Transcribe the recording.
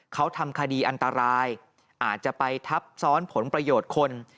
เขาทำคดีอันตรายอาจจะไปทับซ้อนผลประโยชน์คน